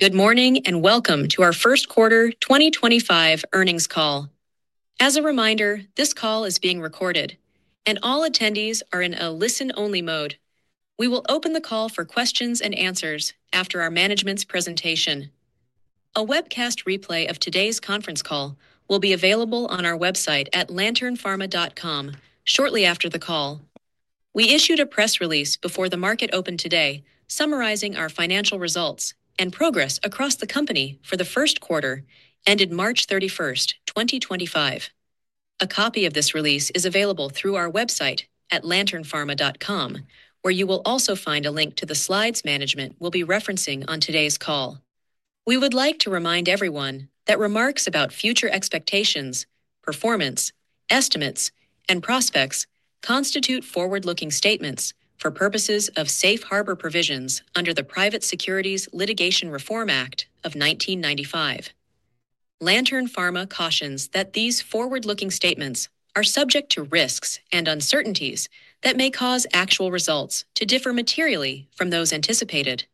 Good morning and welcome to our first quarter 2025 earnings call. As a reminder, this call is being recorded, and all attendees are in a listen-only mode. We will open the call for questions and answers after our management's presentation. A webcast replay of today's conference call will be available on our website at lanternpharma.com shortly after the call. We issued a press release before the market opened today summarizing our financial results and progress across the company for the first quarter ended March 31, 2025. A copy of this release is available through our website at lanternpharma.com, where you will also find a link to the slides management will be referencing on today's call. We would like to remind everyone that remarks about future expectations, performance, estimates, and prospects constitute forward-looking statements for purposes of safe harbor provisions under the Private Securities Litigation Reform Act of 1995. Lantern Pharma cautions that these forward-looking statements are subject to risks and uncertainties that may cause actual results to differ materially from those anticipated.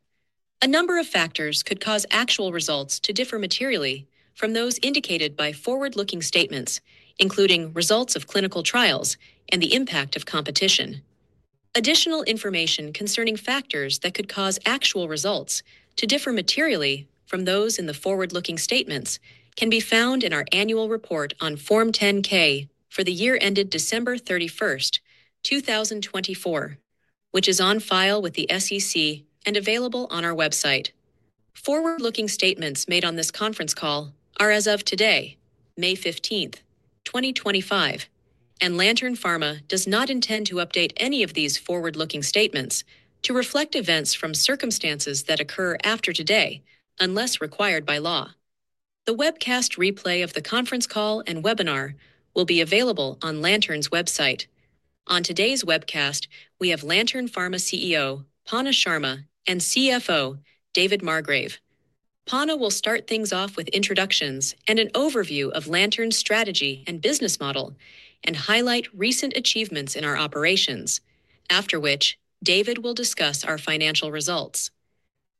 A number of factors could cause actual results to differ materially from those indicated by forward-looking statements, including results of clinical trials and the impact of competition. Additional information concerning factors that could cause actual results to differ materially from those in the forward-looking statements can be found in our annual report on Form 10-K for the year ended December 31, 2024, which is on file with the SEC and available on our website. Forward-looking statements made on this conference call are as of today, May 15, 2025, and Lantern Pharma does not intend to update any of these forward-looking statements to reflect events from circumstances that occur after today unless required by law. The webcast replay of the conference call and webinar will be available on Lantern's website. On today's webcast, we have Lantern Pharma CEO, Panna Sharma, and CFO, David Margrave. Panna will start things off with introductions and an overview of Lantern's strategy and business model, and highlight recent achievements in our operations, after which David will discuss our financial results.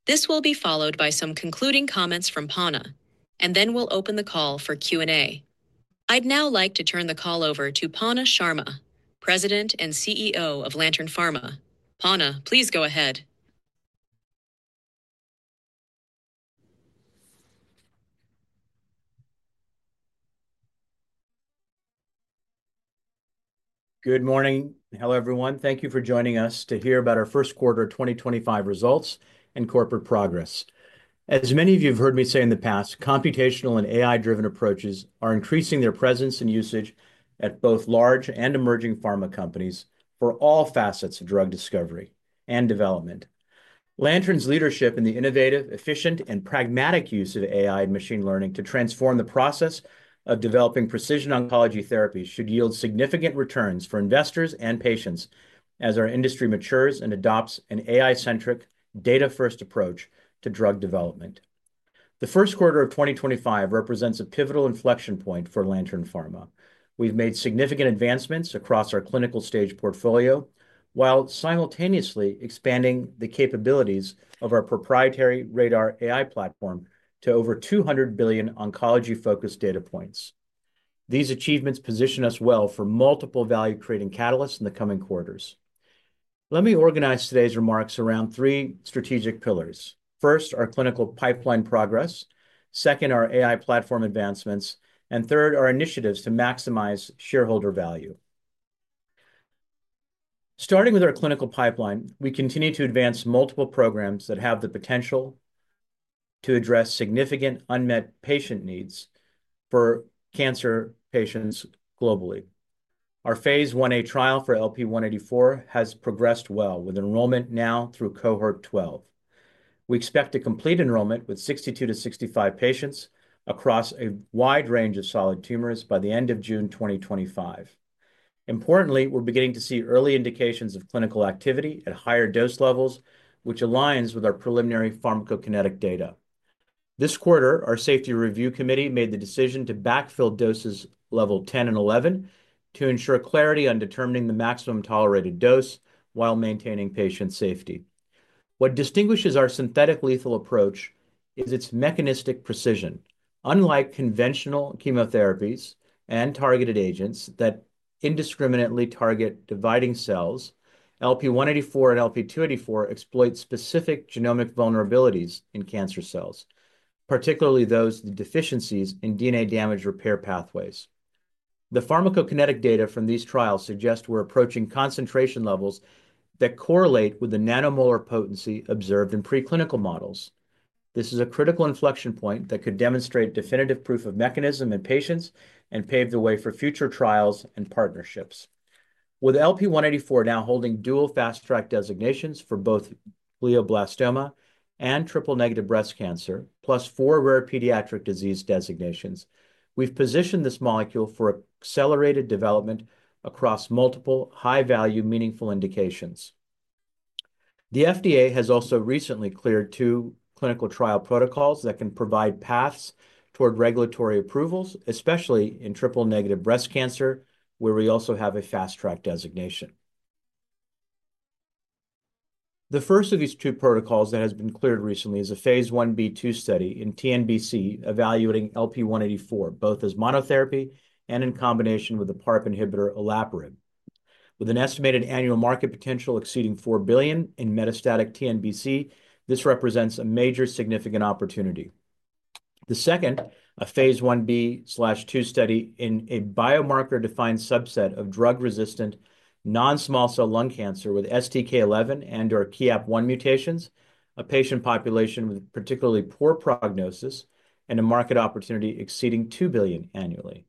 This will be followed by some concluding comments from Panna, and then we'll open the call for Q&A. I'd now like to turn the call over to Panna Sharma, President and CEO of Lantern Pharma. Panna, please go ahead. Good morning. Hello, everyone. Thank you for joining us to hear about our first quarter 2025 results and corporate progress. As many of you have heard me say in the past, computational and AI-driven approaches are increasing their presence and usage at both large and emerging pharma companies for all facets of drug discovery and development. Lantern's leadership in the innovative, efficient, and pragmatic use of AI and machine learning to transform the process of developing precision oncology therapies should yield significant returns for investors and patients as our industry matures and adopts an AI-centric, data-first approach to drug development. The first quarter of 2025 represents a pivotal inflection point for Lantern Pharma. We've made significant advancements across our clinical stage portfolio while simultaneously expanding the capabilities of our proprietary RADR AI platform to over 200 billion oncology-focused data points. These achievements position us well for multiple value-creating catalysts in the coming quarters. Let me organize today's remarks around three strategic pillars. First, our clinical pipeline progress. Second, our AI platform advancements. Third, our initiatives to maximize shareholder value. Starting with our clinical pipeline, we continue to advance multiple programs that have the potential to address significant unmet patient needs for cancer patients globally. Our phase I A trial for LP-184 has progressed well, with enrollment now through cohort 12. We expect to complete enrollment with 62-65 patients across a wide range of solid tumors by the end of June 2025. Importantly, we're beginning to see early indications of clinical activity at higher dose levels, which aligns with our preliminary pharmacokinetic data. This quarter, our safety review committee made the decision to backfill doses level 10 and 11 to ensure clarity on determining the maximum tolerated dose while maintaining patient safety. What distinguishes our synthetic lethal approach is its mechanistic precision. Unlike conventional chemotherapies and targeted agents that indiscriminately target dividing cells, LP-184 and LP-284 exploit specific genomic vulnerabilities in cancer cells, particularly those with deficiencies in DNA damage repair pathways. The pharmacokinetic data from these trials suggest we're approaching concentration levels that correlate with the nanomolar potency observed in preclinical models. This is a critical inflection point that could demonstrate definitive proof of mechanism in patients and pave the way for future trials and partnerships. With LP-184 now holding dual fast-track designations for both glioblastoma and triple-negative breast cancer, plus four rare pediatric disease designations, we've positioned this molecule for accelerated development across multiple high-value, meaningful indications. The FDA has also recently cleared two clinical trial protocols that can provide paths toward regulatory approvals, especially in triple-negative breast cancer, where we also have a fast-track designation. The first of these two protocols that has been cleared recently is a phase I B/II study in TNBC evaluating LP-184, both as monotherapy and in combination with the PARP inhibitor Olaparib, with an estimated annual market potential exceeding $4 billion in metastatic TNBC. This represents a major significant opportunity. The second, a phase I B/II study in a biomarker-defined subset of drug-resistant non-small cell lung cancer with STK11 and/or KEAP1 mutations, a patient population with particularly poor prognosis and a market opportunity exceeding $2 billion annually.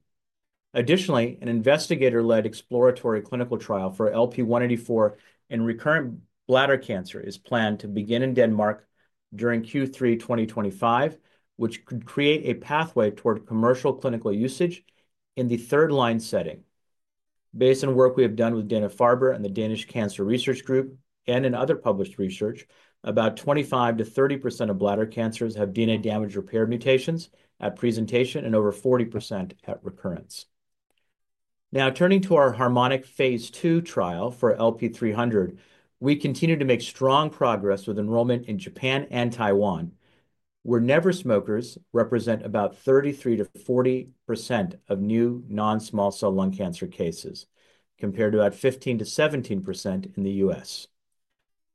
Additionally, an investigator-led exploratory clinical trial for LP-184 in recurrent bladder cancer is planned to begin in Denmark during Q3 2025, which could create a pathway toward commercial clinical usage in the third-line setting. Based on work we have done with Dana-Farber Cancer Institute and the Danish Cancer Research Group and in other published research, about 25%-30% of bladder cancers have DNA damage repair mutations at presentation and over 40% at recurrence. Now, turning to our Harmonic phase II trial for LP-300, we continue to make strong progress with enrollment in Japan and Taiwan, where never-smokers represent about 33%-40% of new non-small cell lung cancer cases, compared to about 15%-17% in the U.S.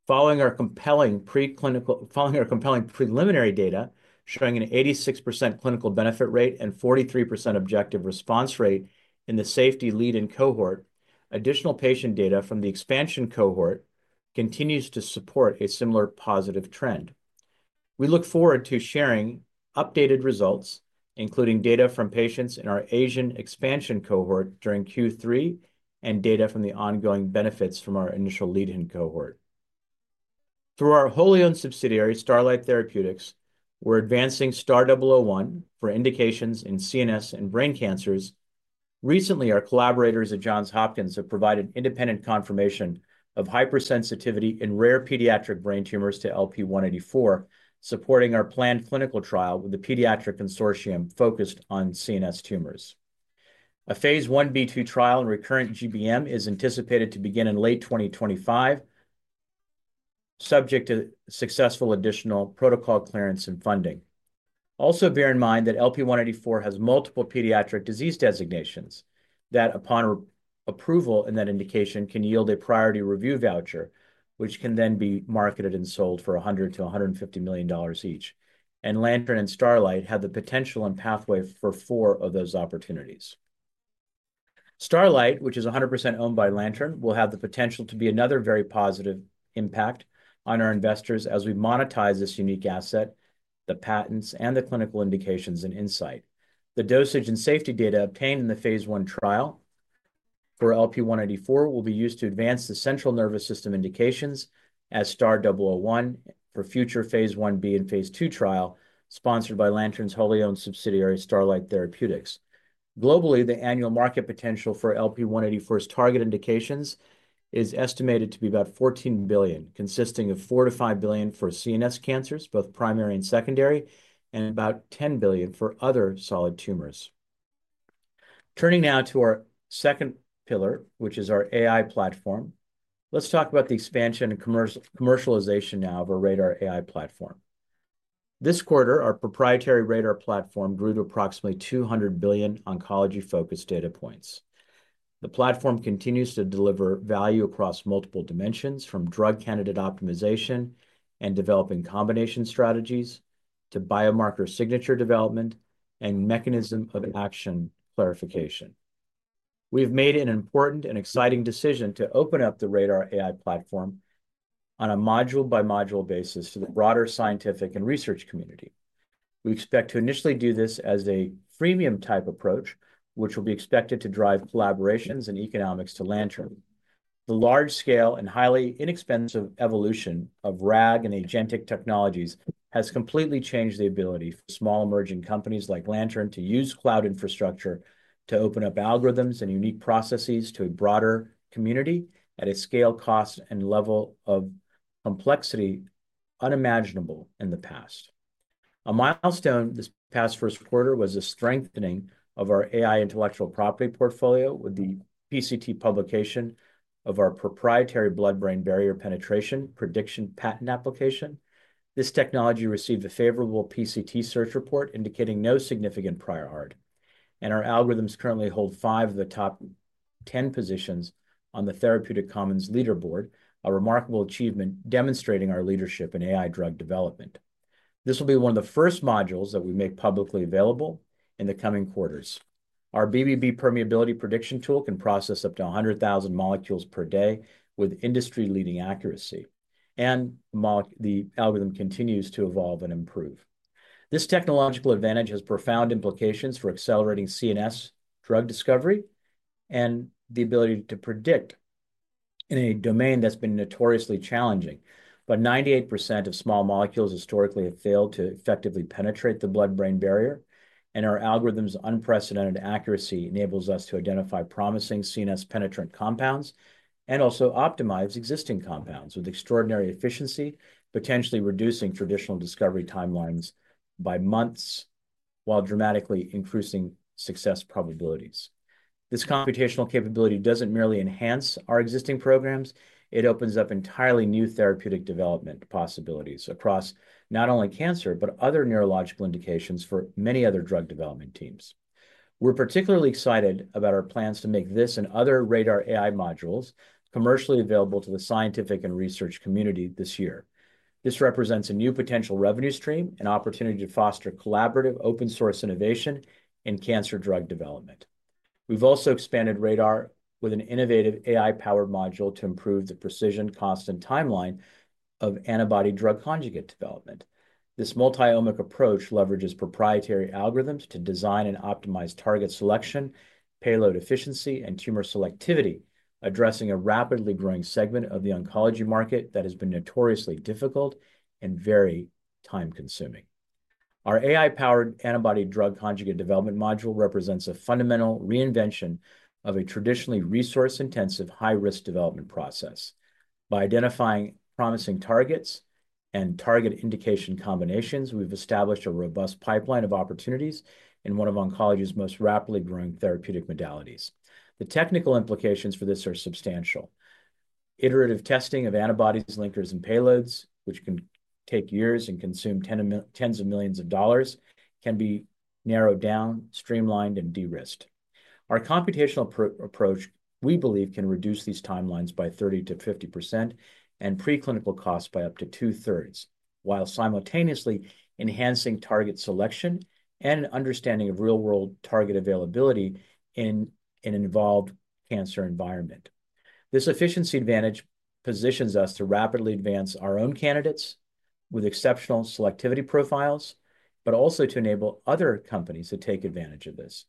Following our compelling preliminary data showing an 86% clinical benefit rate and 43% objective response rate in the safety lead-in cohort, additional patient data from the expansion cohort continues to support a similar positive trend. We look forward to sharing updated results, including data from patients in our Asian expansion cohort during Q3 and data from the ongoing benefits from our initial lead-in cohort. Through our wholly-owned subsidiary, Starlight Therapeutics, we're advancing STAR-001 for indications in CNS and brain cancers. Recently, our collaborators at Johns Hopkins University have provided independent confirmation of hypersensitivity in rare pediatric brain tumors to LP-184, supporting our planned clinical trial with the pediatric consortium focused on CNS tumors. A phase I B/II trial in recurrent GBM is anticipated to begin in late 2025, subject to successful additional protocol clearance and funding. Also, bear in mind that LP-184 has multiple pediatric disease designations that, upon approval in that indication, can yield a priority review voucher, which can then be marketed and sold for $100 million-$150 million each. Lantern and Starlight have the potential and pathway for four of those opportunities. Starlight, which is 100% owned by Lantern, will have the potential to be another very positive impact on our investors as we monetize this unique asset, the patents, and the clinical indications and insight. The dosage and safety data obtained in the phase I trial for LP-184 will be used to advance the central nervous system indications as STAR-001 for future phase I B and phase II trial sponsored by Lantern's wholly-owned subsidiary, Starlight Therapeutics. Globally, the annual market potential for LP-184's target indications is estimated to be about $14 billion, consisting of $4 billion-$5 billion for CNS cancers, both primary and secondary, and about $10 billion for other solid tumors. Turning now to our second pillar, which is our AI platform, let's talk about the expansion and commercialization now of our RADR AI platform. This quarter, our proprietary RADR platform grew to approximately 200 billion oncology-focused data points. The platform continues to deliver value across multiple dimensions, from drug candidate optimization and developing combination strategies to biomarker signature development and mechanism of action clarification. We've made an important and exciting decision to open up the RADR AI platform on a module-by-module basis to the broader scientific and research community. We expect to initially do this as a freemium-type approach, which will be expected to drive collaborations and economics to Lantern. The large-scale and highly inexpensive evolution of RAG and agentic technologies has completely changed the ability for small emerging companies like Lantern to use cloud infrastructure to open up algorithms and unique processes to a broader community at a scale, cost, and level of complexity unimaginable in the past. A milestone this past first quarter was the strengthening of our AI intellectual property portfolio with the PCT publication of our proprietary blood-brain barrier penetration prediction patent application. This technology received a favorable PCT search report indicating no significant prior art, and our algorithms currently hold five of the top 10 positions on the Therapeutic Commons Leaderboard, a remarkable achievement demonstrating our leadership in AI drug development. This will be one of the first modules that we make publicly available in the coming quarters. Our BBB permeability prediction tool can process up to 100,000 molecules per day with industry-leading accuracy, and the algorithm continues to evolve and improve. This technological advantage has profound implications for accelerating CNS drug discovery and the ability to predict in a domain that's been notoriously challenging. Historically, 98% of small molecules have failed to effectively penetrate the blood-brain barrier, and our algorithm's unprecedented accuracy enables us to identify promising CNS penetrant compounds and also optimize existing compounds with extraordinary efficiency, potentially reducing traditional discovery timelines by months while dramatically increasing success probabilities. This computational capability doesn't merely enhance our existing programs, it opens up entirely new therapeutic development possibilities across not only cancer, but other neurological indications for many other drug development teams. We're particularly excited about our plans to make this and other RADR AI modules commercially available to the scientific and research community this year. This represents a new potential revenue stream, an opportunity to foster collaborative open-source innovation in cancer drug development. We've also expanded RADR with an innovative AI-powered module to improve the precision, cost, and timeline of antibody drug conjugate development. This multi-omic approach leverages proprietary algorithms to design and optimize target selection, payload efficiency, and tumor selectivity, addressing a rapidly growing segment of the oncology market that has been notoriously difficult and very time-consuming. Our AI-powered antibody drug conjugate development module represents a fundamental reinvention of a traditionally resource-intensive high-risk development process. By identifying promising targets and target indication combinations, we've established a robust pipeline of opportunities in one of oncology's most rapidly growing therapeutic modalities. The technical implications for this are substantial. Iterative testing of antibodies, linkers, and payloads, which can take years and consume tens of millions of dollars, can be narrowed down, streamlined, and de-risked. Our computational approach, we believe, can reduce these timelines by 30%-50% and preclinical costs by up to two-thirds, while simultaneously enhancing target selection and understanding of real-world target availability in an involved cancer environment. This efficiency advantage positions us to rapidly advance our own candidates with exceptional selectivity profiles, but also to enable other companies to take advantage of this.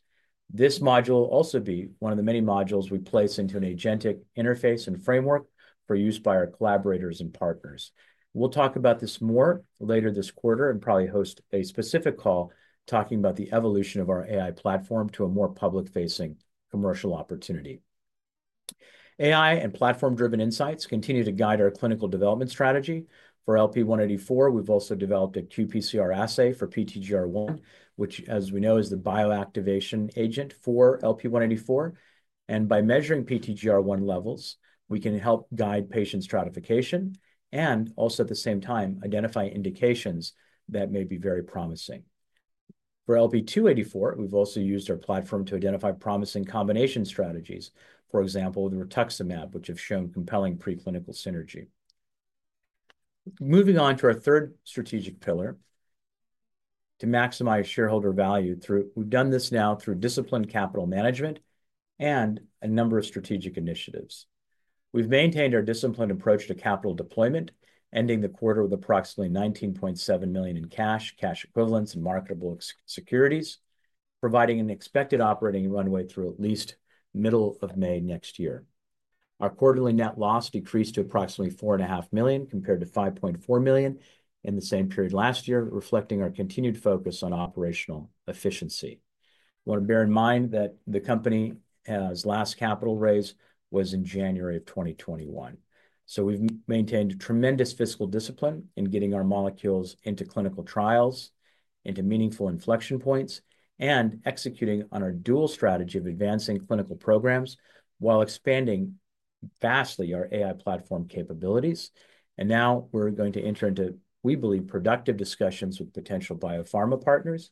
This module will also be one of the many modules we place into an agentic interface and framework for use by our collaborators and partners. We'll talk about this more later this quarter and probably host a specific call talking about the evolution of our AI platform to a more public-facing commercial opportunity. AI and platform-driven insights continue to guide our clinical development strategy. For LP-184, we've also developed a qPCR assay for PTGR1, which, as we know, is the bioactivation agent for LP-184. By measuring PTGR1 levels, we can help guide patient stratification and also, at the same time, identify indications that may be very promising. For LP-284, we've also used our platform to identify promising combination strategies, for example, the ituximab, which have shown compelling preclinical synergy. Moving on to our third strategic pillar, to maximize shareholder value through, we've done this now through disciplined capital management and a number of strategic initiatives. We've maintained our disciplined approach to capital deployment, ending the quarter with approximately $19.7 million in cash, cash equivalents, and marketable securities, providing an expected operating runway through at least middle of May next year. Our quarterly net loss decreased to approximately $4.5 million compared to $5.4 million in the same period last year, reflecting our continued focus on operational efficiency. We want to bear in mind that the company's last capital raise was in January of 2021. We've maintained tremendous fiscal discipline in getting our molecules into clinical trials, into meaningful inflection points, and executing on our dual strategy of advancing clinical programs while expanding vastly our AI platform capabilities. Now we're going to enter into, we believe, productive discussions with potential biopharma partners,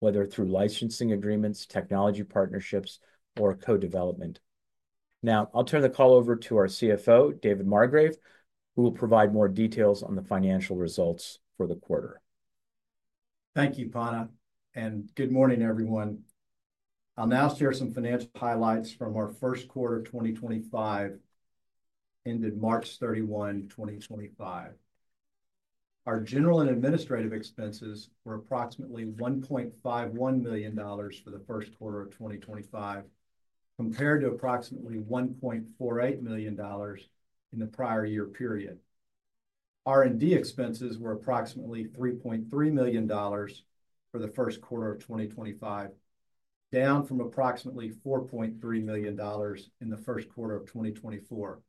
whether through licensing agreements, technology partnerships, or co-development. Now, I'll turn the call over to our CFO, David Margrave, who will provide more details on the financial results for the quarter. Thank you, Panna. And good morning, everyone. I'll now share some financial highlights from our first quarter of 2025 ended March 31, 2025. Our general and administrative expenses were approximately $1.51 million for the first quarter of 2025, compared to approximately $1.48 million in the prior year period. R&D expenses were approximately $3.3 million for the first quarter of 2025, down from approximately $4.3 million in the first quarter of 2024.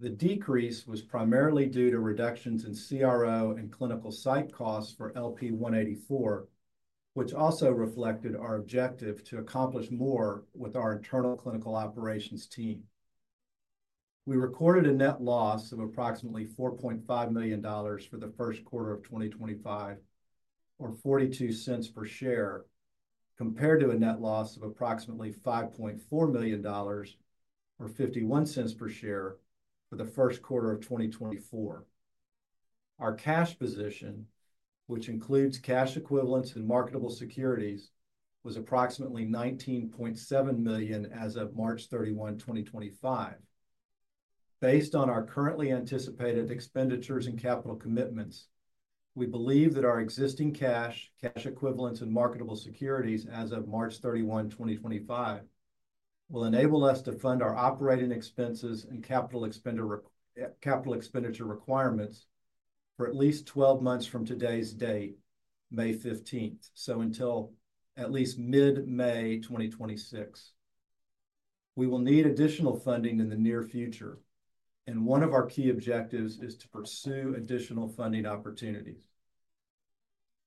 The decrease was primarily due to reductions in CRO and clinical site costs for LP-184, which also reflected our objective to accomplish more with our internal clinical operations team. We recorded a net loss of approximately $4.5 million for the first quarter of 2025, or $0.42 per share, compared to a net loss of approximately $5.4 million, or $0.51 per share, for the first quarter of 2024. Our cash position, which includes cash equivalents and marketable securities, was approximately $19.7 million as of March 31, 2025. Based on our currently anticipated expenditures and capital commitments, we believe that our existing cash, cash equivalents, and marketable securities as of March 31, 2025, will enable us to fund our operating expenses and capital expenditure requirements for at least 12 months from today's date, May 15th, so until at least mid-May 2026. We will need additional funding in the near future, and one of our key objectives is to pursue additional funding opportunities.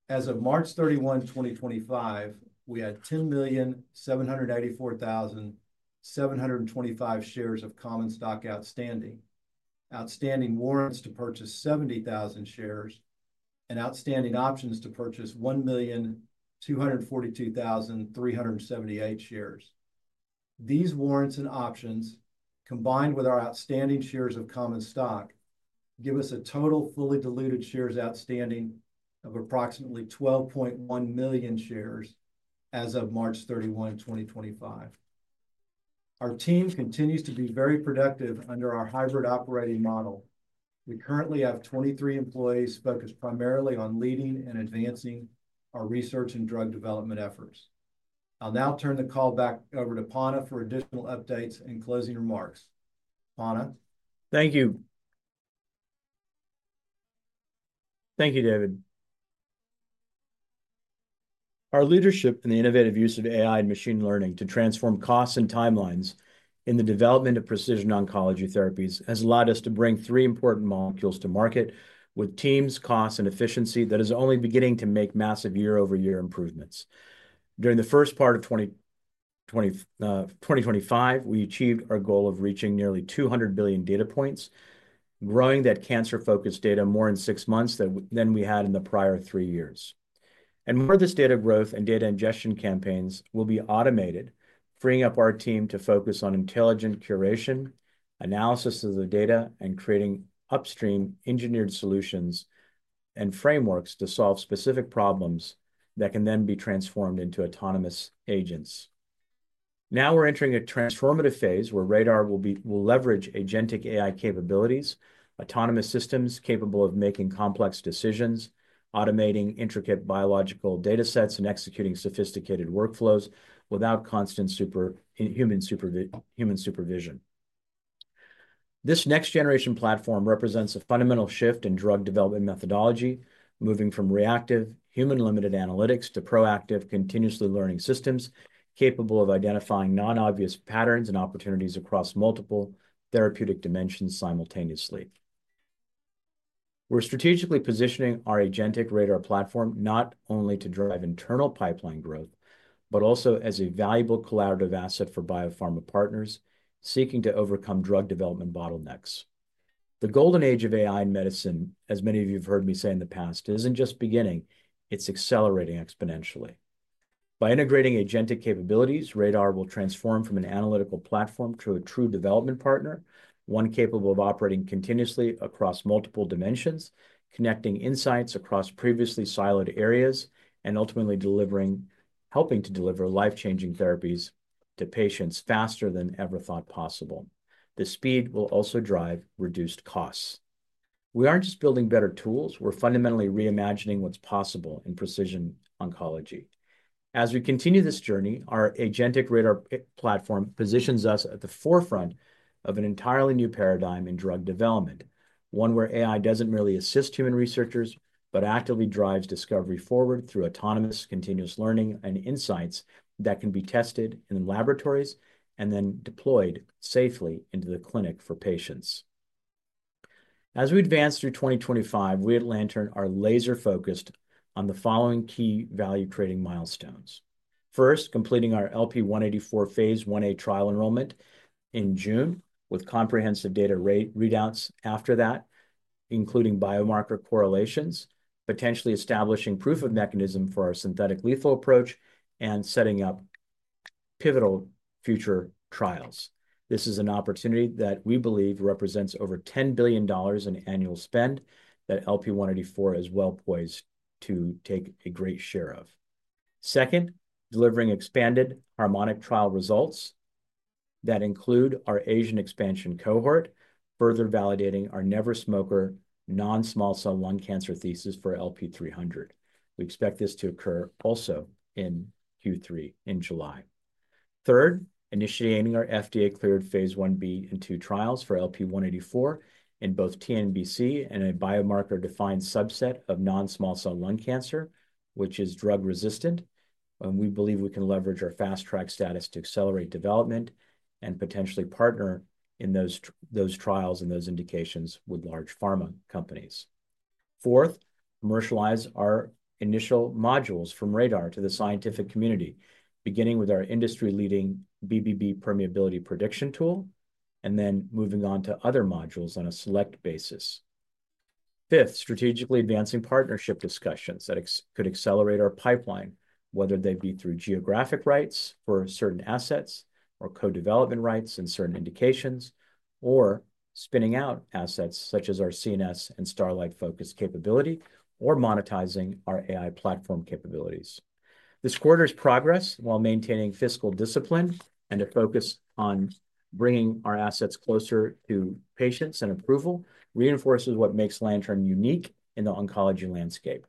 As of March 31, 2025, we had 10,784,725 shares of common stock outstanding, outstanding warrants to purchase 70,000 shares, and outstanding options to purchase 1,242,378 shares. These warrants and options, combined with our outstanding shares of common stock, give us a total fully diluted shares outstanding of approximately 12.1 million shares as of March 31, 2025. Our team continues to be very productive under our hybrid operating model. We currently have 23 employees focused primarily on leading and advancing our research and drug development efforts. I'll now turn the call back over to Panna for additional updates and closing remarks. Panna. Thank you. Thank you, David. Our leadership in the innovative use of AI and machine learning to transform costs and timelines in the development of precision oncology therapies has allowed us to bring three important molecules to market with teams, costs, and efficiency that is only beginning to make massive year-over-year improvements. During the first part of 2025, we achieved our goal of reaching nearly 200 billion data points, growing that cancer-focused data more in six months than we had in the prior three years. More of this data growth and data ingestion campaigns will be automated, freeing up our team to focus on intelligent curation, analysis of the data, and creating upstream engineered solutions and frameworks to solve specific problems that can then be transformed into autonomous agents. Now we're entering a transformative phase where RADR will leverage agentic AI capabilities, autonomous systems capable of making complex decisions, automating intricate biological data sets, and executing sophisticated workflows without constant human supervision. This next-generation platform represents a fundamental shift in drug development methodology, moving from reactive human-limited analytics to proactive continuously learning systems capable of identifying non-obvious patterns and opportunities across multiple therapeutic dimensions simultaneously. We're strategically positioning our agentic RADR platform not only to drive internal pipeline growth, but also as a valuable collaborative asset for biopharma partners seeking to overcome drug development bottlenecks. The golden age of AI in medicine, as many of you have heard me say in the past, isn't just beginning; it's accelerating exponentially. By integrating agentic capabilities, RADR will transform from an analytical platform to a true development partner, one capable of operating continuously across multiple dimensions, connecting insights across previously siloed areas, and ultimately helping to deliver life-changing therapies to patients faster than ever thought possible. The speed will also drive reduced costs. We aren't just building better tools; we're fundamentally reimagining what's possible in precision oncology. As we continue this journey, our agentic RADR platform positions us at the forefront of an entirely new paradigm in drug development, one where AI doesn't merely assist human researchers, but actively drives discovery forward through autonomous continuous learning and insights that can be tested in laboratories and then deployed safely into the clinic for patients. As we advance through 2025, we at Lantern are laser-focused on the following key value-creating milestones. First, completing our LP-184 phase I A trial enrollment in June with comprehensive data readouts after that, including biomarker correlations, potentially establishing proof of mechanism for our synthetic lethal approach, and setting up pivotal future trials. This is an opportunity that we believe represents over $10 billion in annual spend that LP-184 is well poised to take a great share of. Second, delivering expanded Harmonic trial results that include our Asian expansion cohort, further validating our never-smoker non-small cell lung cancer thesis for LP-300. We expect this to occur also in Q3 in July. Third, initiating our FDA-cleared phase I B and phase II trials for LP-184 in both TNBC and a biomarker-defined subset of non-small cell lung cancer, which is drug-resistant. We believe we can leverage our fast-track status to accelerate development and potentially partner in those trials and those indications with large pharma companies. Fourth, commercialize our initial modules from RADR to the scientific community, beginning with our industry-leading BBB permeability prediction tool and then moving on to other modules on a select basis. Fifth, strategically advancing partnership discussions that could accelerate our pipeline, whether they be through geographic rights for certain assets or co-development rights and certain indications, or spinning out assets such as our CNS and Starlight-focused capability, or monetizing our AI platform capabilities. This quarter's progress, while maintaining fiscal discipline and a focus on bringing our assets closer to patients and approval, reinforces what makes Lantern unique in the oncology landscape.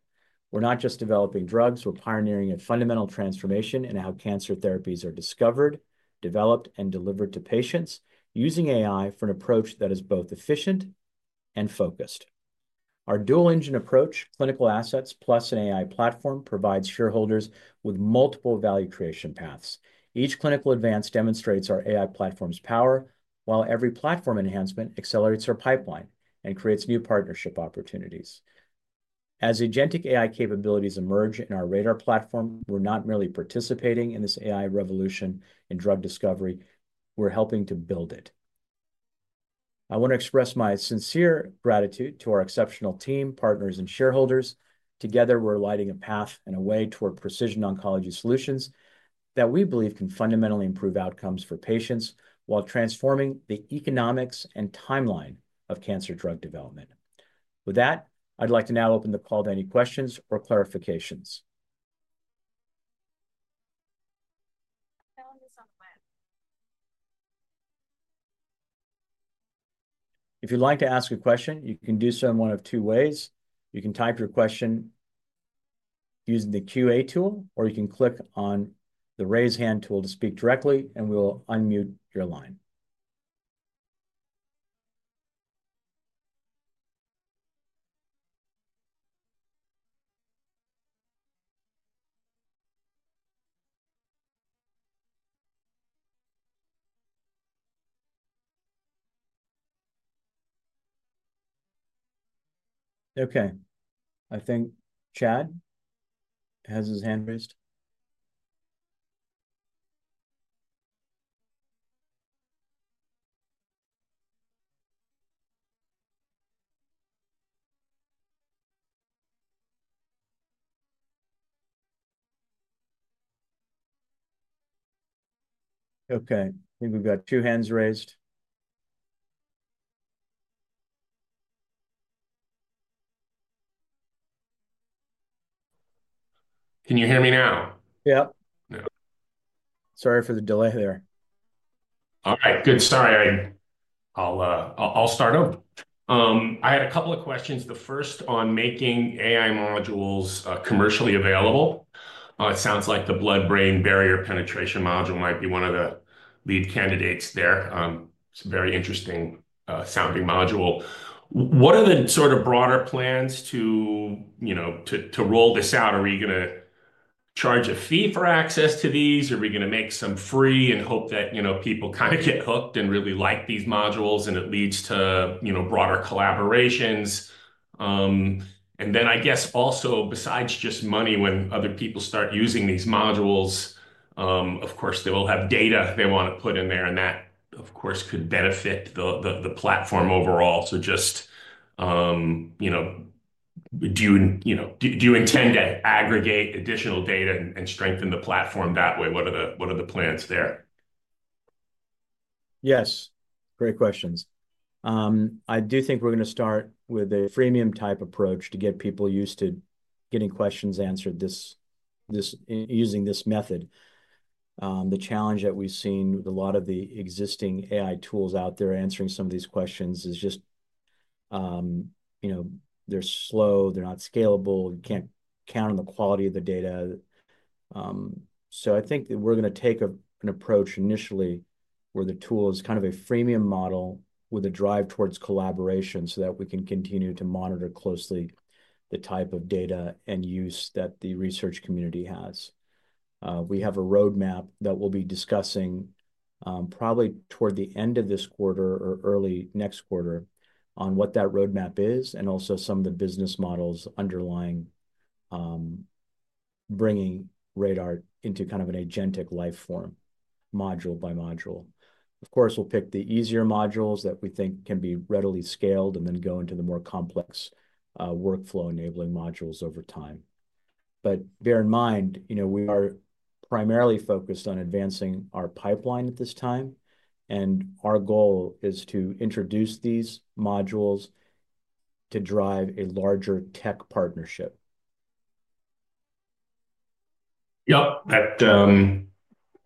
We're not just developing drugs; we're pioneering a fundamental transformation in how cancer therapies are discovered, developed, and delivered to patients using AI for an approach that is both efficient and focused. Our dual-engine approach, clinical assets plus an AI platform, provides shareholders with multiple value creation paths. Each clinical advance demonstrates our AI platform's power, while every platform enhancement accelerates our pipeline and creates new partnership opportunities. As agentic AI capabilities emerge in our RADR platform, we're not merely participating in this AI revolution in drug discovery; we're helping to build it. I want to express my sincere gratitude to our exceptional team, partners, and shareholders. Together, we're lighting a path and a way toward precision oncology solutions that we believe can fundamentally improve outcomes for patients while transforming the economics and timeline of cancer drug development. With that, I'd like to now open the call to any questions or clarifications. If you'd like to ask a question, you can do so in one of two ways. You can type your question using the Q&A tool, or you can click on the raise hand tool to speak directly, and we will unmute your line. Okay. I think Chad has his hand raised. Okay. I think we've got two hands raised. Can you hear me now? Yep. Sorry for the delay there. All right. Good. Sorry. I'll start over. I had a couple of questions. The first on making AI modules commercially available. It sounds like the blood-brain barrier penetration module might be one of the lead candidates there. It's a very interesting-sounding module. What are the sort of broader plans to roll this out? Are we going to charge a fee for access to these? Are we going to make some free and hope that people kind of get hooked and really like these modules, and it leads to broader collaborations? I guess also, besides just money, when other people start using these modules, of course, they will have data they want to put in there, and that, of course, could benefit the platform overall. Just do you intend to aggregate additional data and strengthen the platform that way? What are the plans there? Yes. Great questions. I do think we're going to start with a freemium-type approach to get people used to getting questions answered using this method. The challenge that we've seen with a lot of the existing AI tools out there answering some of these questions is just they're slow, they're not scalable, you can't count on the quality of the data. I think that we're going to take an approach initially where the tool is kind of a freemium model with a drive towards collaboration so that we can continue to monitor closely the type of data and use that the research community has. We have a roadmap that we'll be discussing probably toward the end of this quarter or early next quarter on what that roadmap is and also some of the business models underlying bringing RADR into kind of an agentic life form module by module. Of course, we'll pick the easier modules that we think can be readily scaled and then go into the more complex workflow-enabling modules over time. Bear in mind, we are primarily focused on advancing our pipeline at this time, and our goal is to introduce these modules to drive a larger tech partnership. Yep.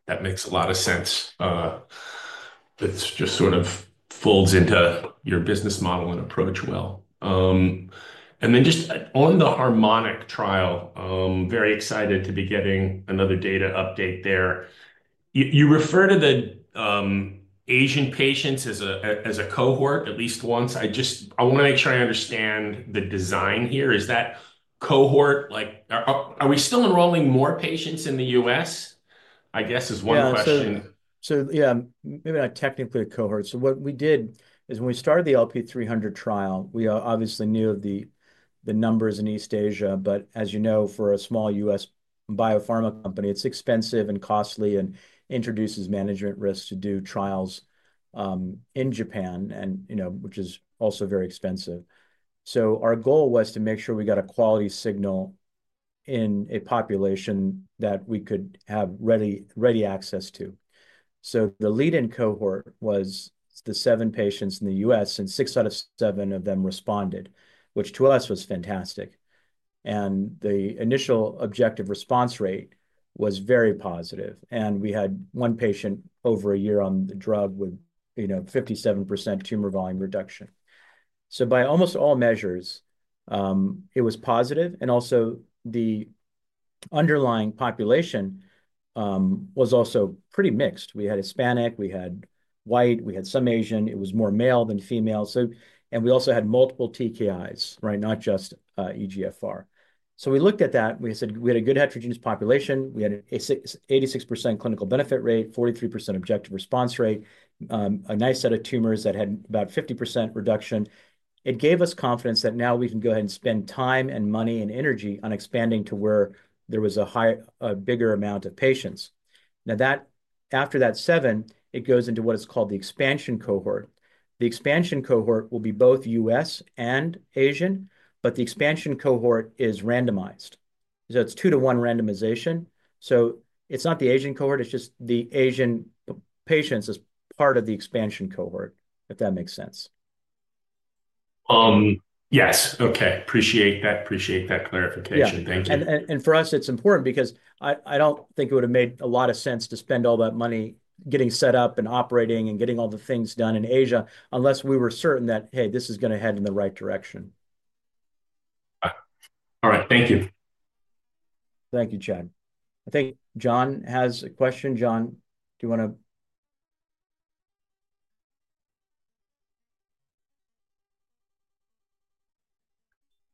That makes a lot of sense. It just sort of folds into your business model and approach well. And then just on the Harmonic trial, very excited to be getting another data update there. You refer to the Asian patients as a cohort at least once. I want to make sure I understand the design here. Is that cohort, are we still enrolling more patients in the U.S., I guess, is one question. Yeah, maybe not technically a cohort. What we did is when we started the LP-300 trial, we obviously knew the numbers in East Asia, but as you know, for a small U.S. biopharma company, it is expensive and costly and introduces management risk to do trials in Japan, which is also very expensive. Our goal was to make sure we got a quality signal in a population that we could have ready access to. The lead-in cohort was the seven patients in the U.S., and six out of seven of them responded, which to us was fantastic. The initial objective response rate was very positive. We had one patient over a year on the drug with 57% tumor volume reduction. By almost all measures, it was positive. The underlying population was also pretty mixed. We had Hispanic, we had white, we had some Asian. It was more male than female. We also had multiple TKIs, not just EGFR. We looked at that. We said we had a good heterogeneous population. We had an 86% clinical benefit rate, 43% objective response rate, a nice set of tumors that had about 50% reduction. It gave us confidence that now we can go ahead and spend time and money and energy on expanding to where there was a bigger amount of patients. Now, after that seven, it goes into what is called the expansion cohort. The expansion cohort will be both U.S. and Asian, but the expansion cohort is randomized. So it's two-to-one randomization. So it's not the Asian cohort. It's just the Asian patients as part of the expansion cohort, if that makes sense. Yes. Okay. Appreciate that clarification. Thank you. And for us, it's important because I don't think it would have made a lot of sense to spend all that money getting set up and operating and getting all the things done in Asia unless we were certain that, hey, this is going to head in the right direction. All right. Thank you. Thank you, Chad. I think John has a question. John, do you want to?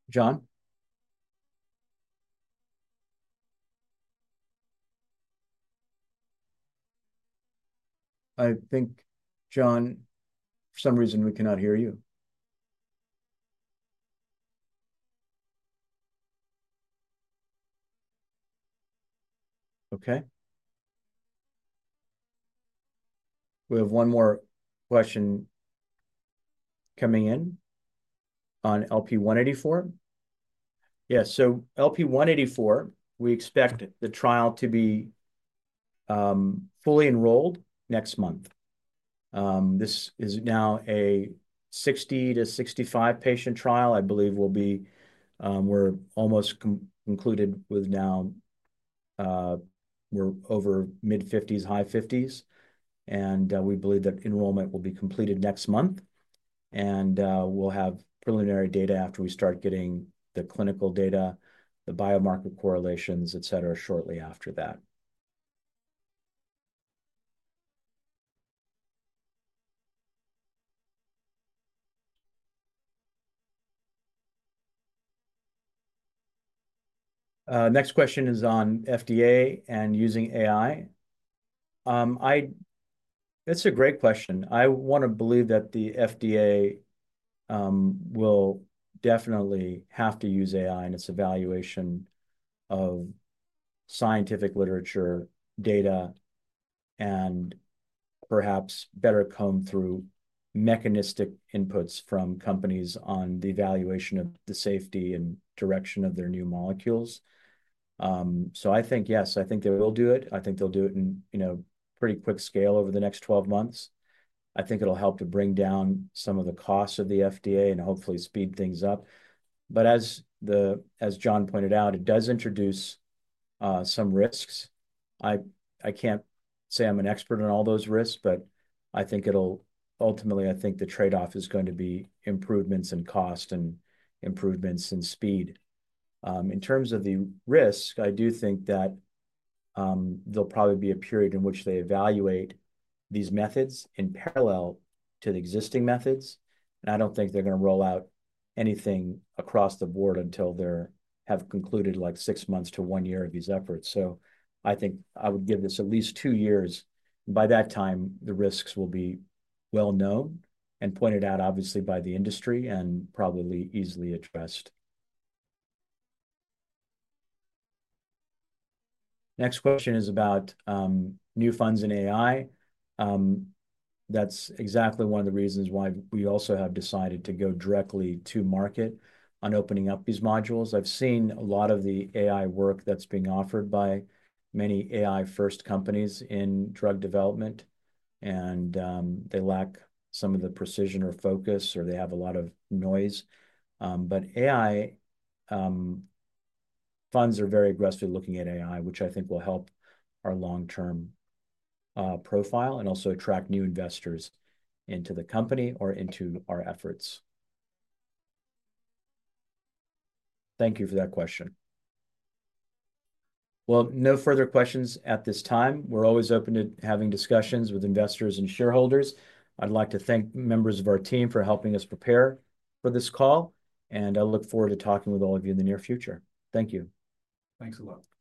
John? I think, John, for some reason, we cannot hear you. Okay. We have one more question coming in on LP-184. Yeah. So LP-184, we expect the trial to be fully enrolled next month. This is now a 60-65 patient trial. I believe we're almost concluded with now we're over mid-50s, high 50s. And we believe that enrollment will be completed next month. And we'll have preliminary data after we start getting the clinical data, the biomarker correlations, etc., shortly after that. Next question is on FDA and using AI. It's a great question. I want to believe that the FDA will definitely have to use AI in its evaluation of scientific literature, data, and perhaps better comb through mechanistic inputs from companies on the evaluation of the safety and direction of their new molecules. I think, yes, I think they will do it. I think they'll do it in pretty quick scale over the next 12 months. I think it'll help to bring down some of the costs of the FDA and hopefully speed things up. As John pointed out, it does introduce some risks. I can't say I'm an expert on all those risks, but I think ultimately, I think the trade-off is going to be improvements in cost and improvements in speed. In terms of the risk, I do think that there'll probably be a period in which they evaluate these methods in parallel to the existing methods. I don't think they're going to roll out anything across the board until they have concluded like six months to one year of these efforts. I think I would give this at least two years. By that time, the risks will be well known and pointed out, obviously, by the industry and probably easily addressed. The next question is about new funds in AI. That's exactly one of the reasons why we also have decided to go directly to market on opening up these modules. I've seen a lot of the AI work that's being offered by many AI-first companies in drug development, and they lack some of the precision or focus, or they have a lot of noise. AI funds are very aggressively looking at AI, which I think will help our long-term profile and also attract new investors into the company or into our efforts. Thank you for that question. No further questions at this time. We're always open to having discussions with investors and shareholders. I'd like to thank members of our team for helping us prepare for this call, and I look forward to talking with all of you in the near future. Thank you. Thanks a lot.